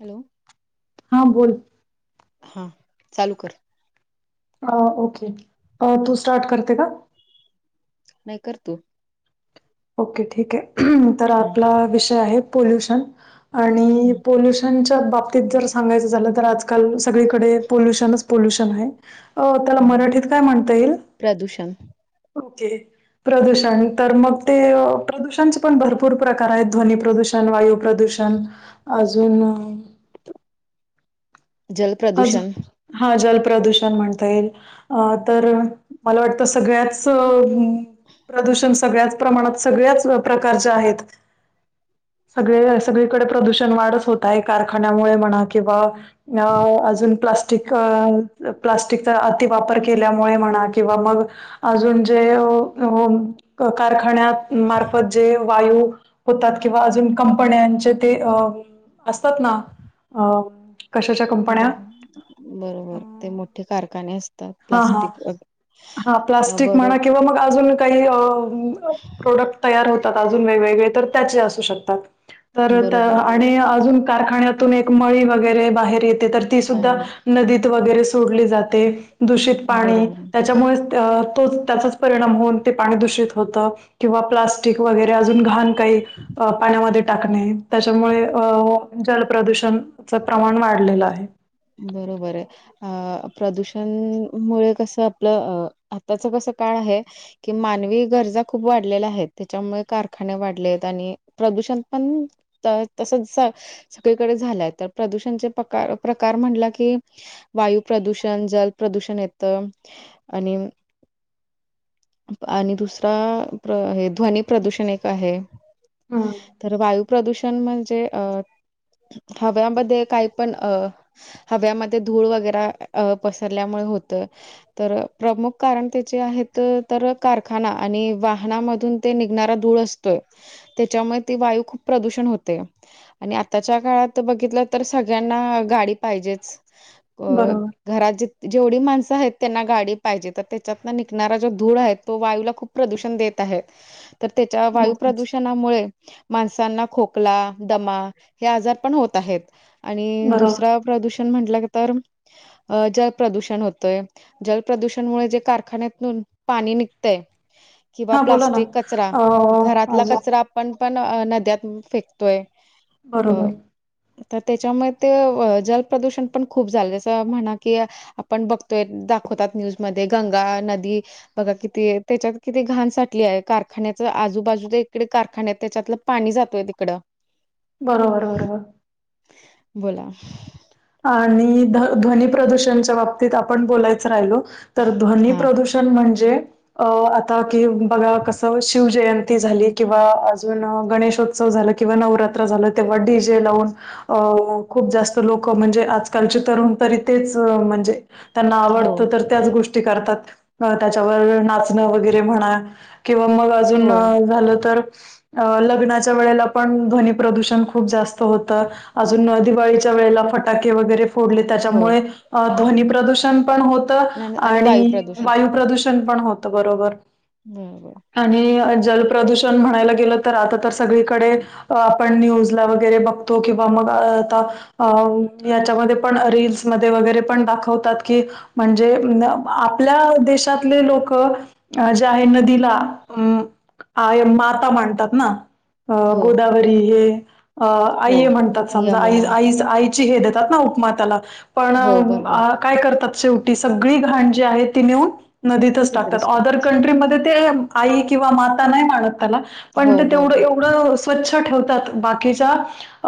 Hello हां बोल हां चालू कर अ ओके तू स्टार्ट करते का नाही करतो ओके ठीक आहे तर हा आपला विषय आहे पोल्युशन आणि हम्म पोल्युशन च्या बाबतीत जर सांगायचं झालं तर आजकाल सगळीकडे पोल्युशनच पोल्युशन आहे हो त्याला हम्म. मराठीत काय म्हणता येईल? प्रदूषण ओके प्रदूषण तर मग ते प्रदूषणचे पण भरपूर प्रकार आहेत ध्वनी प्रदूषण वायू प्रदूषण अजून जल अज प्रदूषण हा जलप्रदूषण म्हणता येईल तर मला वाटतं सगळ्याच चं प्रदूषण सगळ्याच प्रमाणात सगळ्याच प्रकारच्या आहेत. सगळे सगळीकडे प्रदूषण वाढच होत आहे कारखान्यामुळे म्हणा किंवा अ अजून प्लास्टिक अ प्लास्टिकचा अतिवापर केल्यामुळे म्हणा किंवा मग अजून जे कारखान्यात मार्फत जे वायू होतात किंवा अजून कंपन्यांचे ते अ असतात ना अ कशाच्या कंपन्या बरोबर बरोबर ते मोठे कारखाने असं हा हा हा प्लास्टिक म्हणा किंवा मग अजून काही अ अ प्रोडक्ट तयार होतात अजून वेगवेगळे तर त्याचे असू शकतात. तर त बरोबर आणि अजून कारखान्यातून एक मळी वगैरे बाहेर येते तर ती सुद्धा पाणी नदीत वगैरे सोडली जाते दूषित पाणी बरोबर त्याच्यामुळे तोच त्याचाच परिणाम होऊन ते पाणी दूषित होत किंवा प्लास्टिक वगैरे अजून घाण काही पाण्यामध्ये टाकणे. त्याच्यामुळे अ जलप्रदूषणच प्रमाण वाढलेलं आहे. बरोबरये. अ प्रदूषण मुळे कसं आपलं अ आताच कस काळ आहे. कि मानवी गरजा खूप वाढलेल्या आहेत त्याच्यामुळे कारखाने वाढलेत आणि प्रदूषण पण त तसच सगळीकडे झालंय तर प्रदूषणचे पकार प्रकार म्हटला की वायू प्रदूषण जल प्रदूषण येत. आणि आणि दुसरा प्र हे ध्वनी प्रदूषण एक आहे. हं. तर वायू प्रदूषण म्हणजे अ हव्यामध्ये काय पण अ हव्यामध्ये धूळ वगैर अ पसरल्यामुळे होत. तर प्रमुख कारण त्याचे आहेत तर कारखाना आणि वाहनामधून ते निघणारा धूळ अस तोय त्याच्यामुळे ती वायू खूप प्रदूषण होते आणि आताच्या काळात बघितलं तर सगळ्यांना गाडी पाहिजेच अ बरोबर. घरात ज जेवढी माणसं आहेत त्यांना गाडी पाहिजे तर त्याच्यात निघणारा जो धूर आहे तो वायूला खूप प्रदूषण देत आहेत तर त्याच्या वायू नक्कीच. प्रदूषणामुळे माणसांना खोकला दमा हे आजार पण होत आहेत आणि बरोबर. दुसरा प्रदूषण म्हटलं तर अ जल प्रदूषण होतय. जल प्रदूषण मुळे जे कारखान्यातून पाणी निघतंय किंवा हा बोला ना प्लास्टिक कचरा अ घरातला अजून कचरा आपण पण नद्यात फेकतोय. अ बरोबर. तर त्याच्यामुळे ते जलप्रदूषण पण खूप झालं जसं म्हणा की आपण बघतोय दाखवतात न्यूजमध्ये गंगा नदी बघा किती त्याच्यात किती घाण साटली आहे कारखान्याच आजूबाजू इकडे कारखान्या आहेत त्याच्यातलं पाणी जातोय तिकडं बरोबर बरोबर. बोला आणि ध्व ध्वनी प्रदूषणच्या बाबतीत आपण बोलायच राहिलो तर ध्वनी हां. प्रदूषण म्हणजे अ आता की बघा कस शिव जयं ती झाली किंवा अजून गणेशोत्सव झाल किंवा नवरात्र झालं तेव्हा डी जे लावून अ खूप जास्त लोक क म्हणजे आजकालचे तरूण तरी तेच म्हणजे त्यांना हो, आवडत तर त्याचं गोष् ते करतात त्याच्यावर नाचणं वगैरे म्हणा किंवा मग अजून हो, अ झालं तर अ लग्नाच्या वेळेला पण ध्वनी प्रदूषण खूप जास्त होतं. अजून दिवाळीच्या वेळेला फटाके वगैरे फोडले हो. त्याच्यामुळे अ ध्वनी प्रदूषण पण हो तं आणि वायू प्रदूषण पण होतं बरोबर. [unintelligible] आणि जलप्रदूषण म्हणायला गेलं तर आता तर सगळीकडे आपण न्यूजला वगैरे बघतो किंवा मग आता अ याच्यामध्ये पण रीलसमध्ये वगैरे पण दाखवतात की म्हणजे न आपल्या देशातले लोकं अ ज्या आहे नदीला माता मांडतात ना अ हो, गोदावरी हे अ आई हो. आहे म्हणतात समजा आईज यमुना. आईज आई ची हे देतात उपमा त्याला पण हो, बरोबर. आ काय करतात शेवटी सगळी घाण जी आहे ती नेऊन नदीतच टाकतात तिकडेच तर. अदर कंट्रीमध्ये ते आई किंवा माता नाही माणत त्याला पण ते हो, तेवढं बरोबर. एवढं स्वच्छ ठेवतात बाकीच्या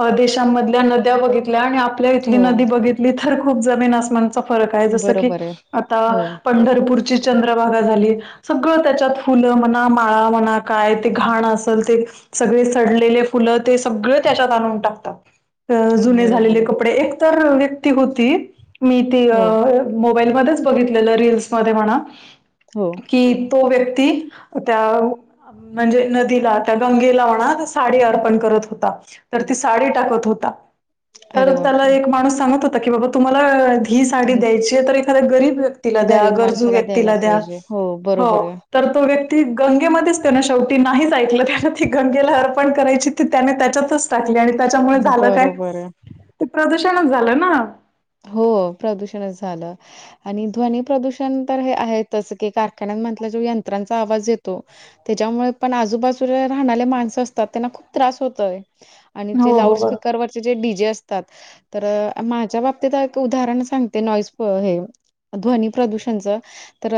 अ देशांमधल्या नद्या वगे ल्या आणि आपल्या इथली हो, नदी बघितली तर खूप जमीन असमान चा फरक आहे जसं की बरोबर आहे. आता हो, पंढरपूरची चंद्रभागा झाली सगळं त्याच्यात फुलं म्हणा, माळा म्हणा काय ते घाण असल ते सगळे सडलेले फुलं ते सगळे त्याच्यात आणून टाकतात अ जुने बरोबर झालेले आहे. कपडे एक तर व्यक्ती होती मी ती अ हो, मोबाईलमध्येधच बघितलेलं रील्समध्ये म्हणा हो कि तो व्यक्ती त्या म्हणजे नदीला त्या गंगेला होणा साडी अर्पण करत होता तर ती साडी टाकत होता तर अरे त्याला बापरे! एक माणूस सांगत होता की बाबा तुम्हाला ही साडी हे द्यायचीये तर एखाद्या गरीब व्यक्तीला द्या गरीब गरजू माणसाला द्यायला व्यक्तीला द्या पाहिजे हो. बरोबर आहे तर तो व्यक्ती गंगेमध्येच त्यांना शेवटी नाहीच ऐकलं त्याना ती गंगेला अर्पण करायची त त्याने त्याच्यातच टाकली आणि त्याच्यामुळे झालं काय बरोबर आहे. ते प्रदूषणच झालं ना? हो प्रदूषणच झालं. आणि ध्वनी प्रदूषण तर हे आहे तसं की कारखान्या म्हटलं जो यंत्रांचा आवाज येतो त्याच्यामुळे पण आजूबाजूला राहणाले माणसं असतात त्यांना खूप त्रास होतोय आणि ते हो लाऊड हो बरोबर स्पीकरवरचे जे डी जे असतात तर माझ्या बाब ती तक उदाहरण सांगते नॉईज पॉ हे ध्वनी प्रदूषणच तर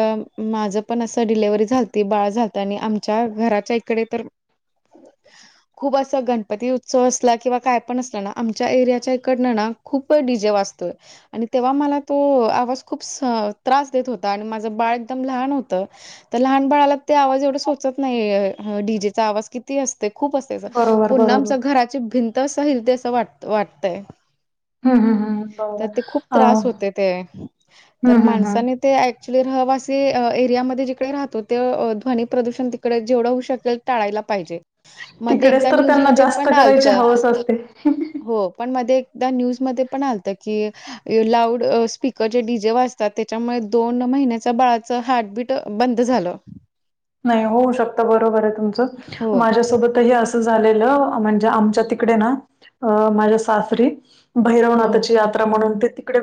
माझं पण असं डिलेवरी झालती बाळ झालतं आणि आमच्या घराच्या इकडे तर [inaudible] खूप असा गणपती उत्सव असला किंवा काय पण असला ना आमच्या एरियाच्या इकडनं ना खूप डीजे वाज तोय आणि तेव्हा मला तो आवाज खूप स त्रास देत होता आणि माझं बाळ एकदम लहान होतं. तर लहान बाळाला ते आवाज एवढा सोचत नाहीय ह डीजेचा आवाज कि ती असते खूप असतेस, बरोबर पूर्ण बरोबर आमचा घराची भिंत असं हिलते असं वाटते वाटतय. हां हां हां. तर ते खूप त्रास होते ते तर हम्म हम्म माणसानी ते ॲक्च्युली रहवासी अ एरियामध्ये जिकडे राहतो ते अ ध्वनी प्रदूषण तिकडे जेवढं होऊ शकेल टाळायला पाहिजे. मध्ये तिकडेच एकदा तर न्यूज त्यांना मध्ये जास्त पण करायची आलतं हवस असते. हो पण मध्ये ए एकदा न्यूज मध्ये पण आलतं की लाऊड स्पीकरचेे डी जे वाचतात त्याच्यामुळे दोन महिन्याच बळाचं हार्टबीट बंद झालं. [inaudible] नाही होऊ शकता बरोबर आहे हो, तुमचं माझ्यासोबत त हे अस झालं म्हणजे आमच्या तिकडे ना माझ्या सासरी हो, भैरवनाथाची यात्रा म्हणून ते तिकडे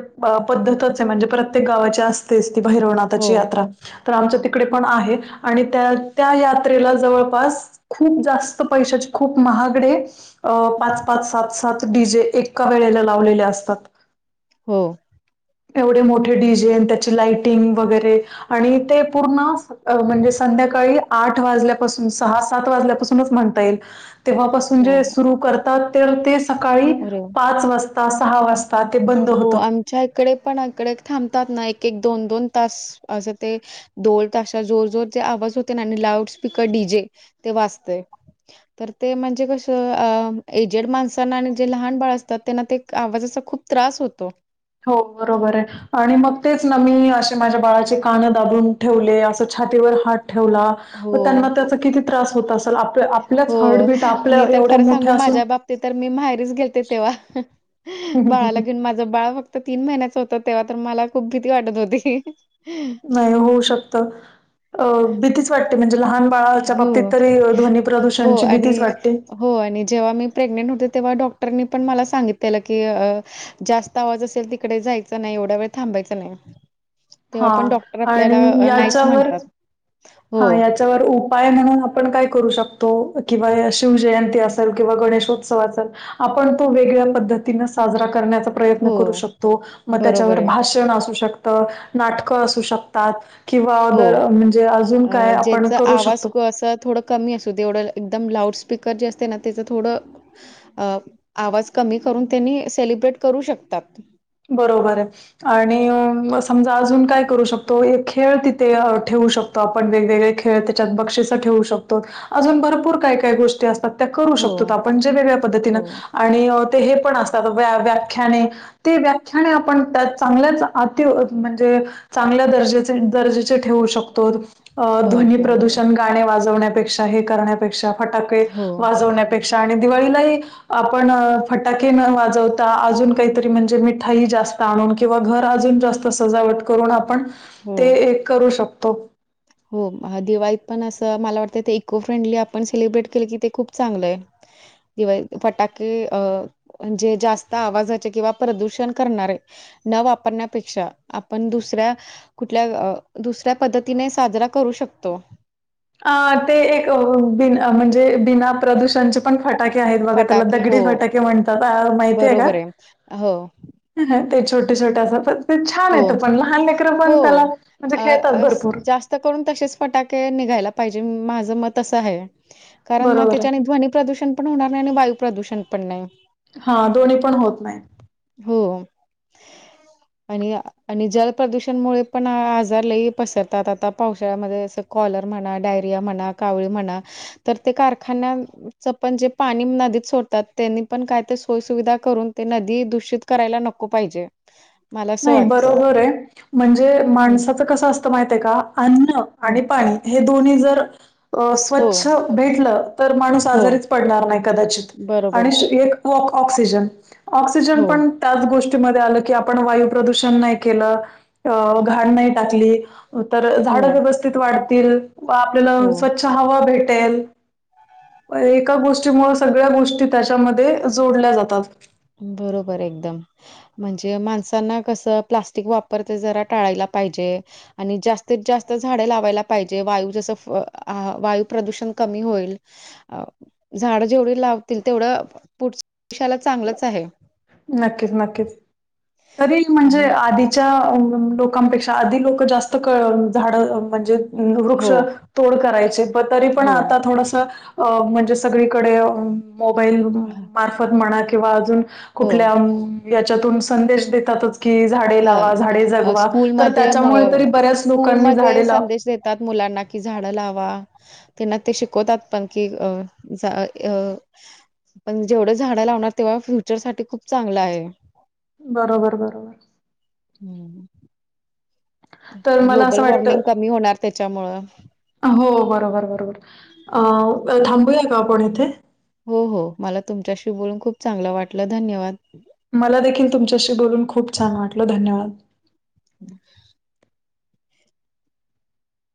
पद्धतच आहे म्हणजे प्रत्येक गावाची अस ते हो, भैरवनाथाची यात्रा तर आमच्या तिकडे पण आहे. आणि त्या त्या यात्रेला जवळपास खूप जास्त पैशाचे खूप महागडे अ पाच पाच सात सात डी जे एका वेळेला लावलेले असतात. हो. एवढे मोठे डिजेन त्याची लाइटिंग वगैरे आणि ते पूर्ण म्हणजे संध्याकाळी आठ वाजल्यापासून सहा सात वाजल्यापासूनच म्हणता येईल. तेव्हापासून जे सुरू करतात तर ते सकाळी हो. पाच वाजता सहा वाजता ते बंद हो होतं. आमच्या इकडे पण अकडे थांबतात ना एक एक दोन दोन तास असं ते डोल तशा जोर जोर ते आवाज होते ना आणि लाउड स्पीकर डी जे ते वाचतेय. तर ते म्हणजे कसं अ एजेड माणसांना आणि जे लहान बाळ असतात त्यांना ते आवाजाचा खूप त्रास होतो. हो बरोबर आहे. आणि मग तेच ना मी असे माझ्या बाळाचे कानं दाबून ठेवले असं छातीवर हात ठेवला त्यांना हो. त्याचा किती त्रास होत असलं आपल आप हो मी तर खरं सांगू माझ्या बाबतीत तर मी माहेरीच गेलते तेव्हा बाळाला घेऊन. माझं बाळ फक्त तीन महिन्याच होत तेव्हा तर मला खूप भीती वाटत होती. नाही होऊ शकत अ भीती वाटते म्हणजे लहान बाळाच्या बाबतीत हो, तरी ध्वनी हो प्रदूषणची भीतीच आणि वाटते. हो आणि जेव्हा मी प्रेग्नेंट होते तेव्हा डॉक्टरनी पण मला सांगितलेलं की जास्त आवाज असेल तिकडे जायचा नाही एवढा वेळ थांबायच नाही. तेव्हा हा पण डॉक्टर आणि आपल्याला नाहीच याच्यावर म्हणतात. हो, हा याच्यावर उ पाय म्हणून आपण काय करू शकतो किंवा शिवजयंती असेल किंवा गणेशोत्सव असेल. आपण तो वेगळ्या पद्धतीन साजरा करण्याचा प्रयत्न करू हो, शकतो मग बरोबर त्याच्यावर आहे. भाषण असू शकत नाटकं असू शकतात. हो. किंवादर म्हणजे.. अ काय आपण ज्यांचा करू आवाज शकतो कस थोडं कमी असू तेवढं एकदम लाउडस्पीकर जे असते ना त्याचं थोडं अ आवाज कमी करून त्यांनी सेलिब्रेट करू शकतात. बरोबर आहे. आणि समजा अजून काय करू शकतो एक खेळ तिथे ठेवू शकतो. आपण वेगवेगळे खेळ त्याच्यात बक्षीस ठेवू शकतो अजून भरपूर काय काय गोष्टी असतात. त्या करू हो शकतो आपण जे वेगळ्या हो पद्धतीनं आणि ते हे पण असतात व्याख्याने ते व्याख्याने आपण त्या चांगल्याच अत म्हणजे चांगल्या दर्जेचे दर्जेचे ठेवू शकतो. अ हो ध्वनी बरोबर आहे. प्रदूषण गाणे वाजवण्यापेक्षा हे करण्यापेक्षा फटाके हो वाजवण्यापेक्षा आणि दिवाळीलाही आपण फटाके न वाजव अजून काहीतरी म्हणजे मिठाई जास्त आणून किंवा घर अजून जास्त सजावट करून आपण हो ते एक करू शकतो. हो दिवाळीत पण असं मला वाटतं ते इको फ्रेंडली आपण सेलिब्रेट केलं की ते खूप चांगलं आहे. दिवाळी फटाके अ म्हणजे जास्त आवाजाचे किंवा प्रदूषण करणारे न वापरण्यापेक्षा आपण, दुसऱ्या कुठल्या दुसऱ्या पद्धतीने साजरा करू शकतो. अ ते, एक म्हणजे बिना प्रदूषणचे, पण फटाके आहेत, बघ त्याला फटाके हो दगडी फटाके म्हणतात. माहितीय का? बरोबर आहे. हो ते छोटे, छोटे असं पण ते छान हो येतं पण लहान, लेकरं पण त्याला हो. म्हणजे, अ, खेळतात अ, स भरपूर. जास्त करून तसेच फटाके निघायला पाहिजे, माझं मत असं आहे. कारण मग बरोबर आहे. त्याच्याने, ध्वनीि प्रदूषण पण होणार नाही, आणि वायू प्रदूषण पण नाही. हा दोन्ही पण, होत नाहीत. हो, आणि आणि जल प्रदूषणमुळे पण, आजार लई पसरतात आता, पावसाळ्यामध्ये, कॉलर म्हणा, डायरिया म्हणा, कावळी म्हणा, तर ते कारखान्याच पण, जे पाणी नदीत सोडतात त्यांनी, पण काय ते सोय सुविधा करून, ते नदी, दूषित करायला नको पाहिजे. मला असं नाही, वाटतं. बरोबर आहे. म्हणजे, हं, माणसाचं कसं असतं, माहित आहे का, अन्न हं. आणि पाणी, हे दोन्ही जर, अ हो, स्वच्छ भेटलं, तर माणूस हो. आजारीच पडणार नाही, कदाचित, बरोबर. आणि एक हो ऑक्सिजन, ऑक्सिजन हो, पण त्याच गोष्टीमध्ये आलं, की आपण वाय, प्रदूषण नाही केलं, घाण नाहीटाकली, तर हो, झाड व्यव [unintelligible] वाढतील व, आपल्याला हो. स्वच्छ हवा भेटेल. एका गोष्टीमुळे, सगळ्या गोष्टी त्याच्यामध्ये जोडल्या जातात. बरोबर एकदम, म्हणजे माणसांना कसं, प्लास्टिक वापरते, जरा टाळायला पाहिजे. आणि जास्तीत, जास्त झाडे लावायला पाहिजे. वायू जसं वायू प्रदूषण कमी होईल, अ झाड जेवढे लावतील, तेवढं पुढशाला चांगलंच आहे. नक्कीच, नक्कीच तरी म्हणजे आणि आधी लोकांपेक्षा आधी, लोक जास्त झाड, म्हणजे वृक्ष हो, तोड करायचे, पण तरी पण हो, आता थोडस, अ म्हणजे, सगळीकडे मोबाईल हां, मार्फत म्हणा, किंवा अजून, हो, कुठल्या याच्यातून, संदेश देतातच, कि झाडे लावा, हां. झाडे अ जगवा, तर स्कूलमध्ये म त्याच्यामुळे तरी, बऱ्याच लोकांनी झाडे ला त्यात मुलांना, की झाडं लावा. त्यांना ते शिकवतात पण, की अ अ [unintelligible] पण जेवढं झाडं लावणार, तेव्हा फ्युचरसाठी खूप चांगलं आहे. बरोबर, बरोबर, हम्म, तर मला असं ग्लोबल वाटतं वॉर्मिंग, कमी होणार त्याच्यामुळं, हो बरोबर, बरोबर, अ थांबूया का आपण इथे, हो, हो, मला तुमच्याशी बोलून, खूप चांगलं वाटलं, धन्यवाद! मला देखील तुमच्याशी, बोलून खूप छान वाटलं, धन्यवाद! [unintelligible]